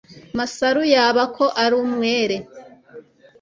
Masaru yaba ko ari umwere